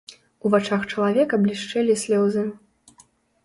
У вачах чалавека блішчэлі слёзы.